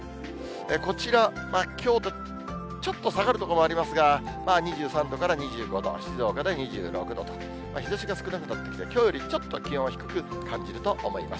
こちら、きょうとちょっと下がる所もありますが、まあ２３度から２５度、静岡で２６度と、日ざしが少なくなって、きょうよりちょっと気温は低く感じると思います。